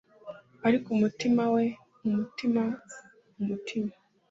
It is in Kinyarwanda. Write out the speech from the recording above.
ariko umutima we! umutima! umutima!